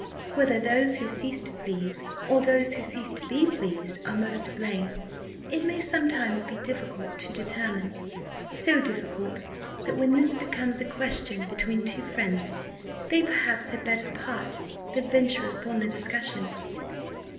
Whether those who cease to please, or those who cease to be pleased, are most to blame, it may sometimes be difficult to determine; so difficult, that when this becomes a question between two friends, they perhaps had better part than venture upon the discussion."